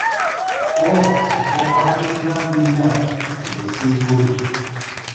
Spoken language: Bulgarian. — О, какво правиш, Ян Бибиян, къде се изгуби?